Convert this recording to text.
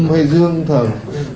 hay dương thần